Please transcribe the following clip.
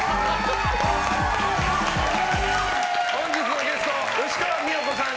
本日のゲスト、吉川美代子さん